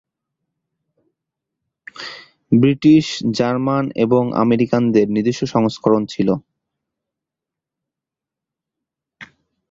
British, German এবং আমেরিকানদের নিজস্ব সংস্করণ ছিল।